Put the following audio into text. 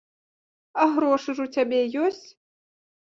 А грошы ж у цябе ёсць?